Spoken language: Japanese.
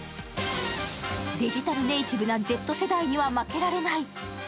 デジタルネイティブなＺ世代には負けられない。